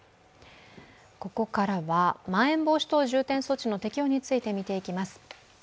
ここからはまん延防止等重点措置の適用について見ていきます。